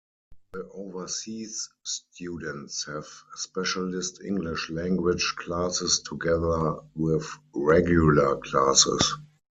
The overseas students have specialist English Language classes together with regular classes.